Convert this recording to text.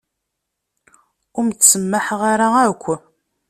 Ur m-ttsamaḥeɣ ara akk.